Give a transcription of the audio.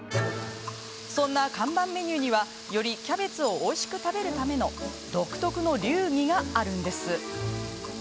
そんな看板メニューには、よりキャベツをおいしく食べるための独特の流儀があるんです。